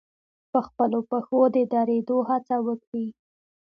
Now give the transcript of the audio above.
په خپلو پښو د درېدو هڅه وکړي.